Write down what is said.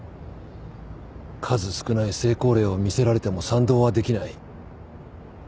数少ない成功例を見せられても賛同はできない。